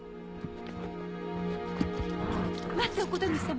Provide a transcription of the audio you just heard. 待って乙事主様